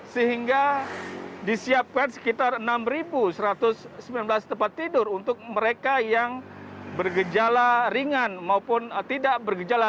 sehingga disiapkan sekitar enam satu ratus sembilan belas tempat tidur untuk mereka yang bergejala ringan maupun tidak bergejala